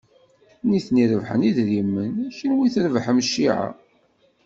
Nitni rebḥen idrimen, kenwi trebḥem cciɛa.